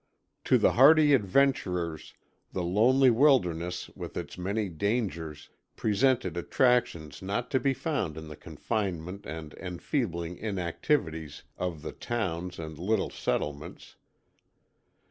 To the hardy adventurers the lonely wilderness, with its many dangers, presented attractions not to be found in the confinement and enfeebling inactivities of the towns and little settlements.